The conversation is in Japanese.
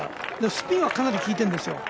スピンはかなり効いてるんですよ。